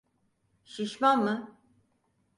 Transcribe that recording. Şişman mı?